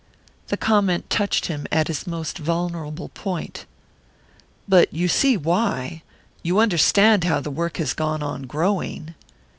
The comment touched him at his most vulnerable point. "But you see why? You understand how the work has gone on growing